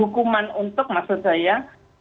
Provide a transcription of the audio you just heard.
hukuman untuk maksud saya